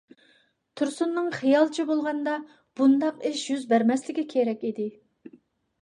تۇرسۇننىڭ خىيالىچە بولغاندا بۇنداق ئىش يۈز بەرمەسلىكى كېرەك ئىدى.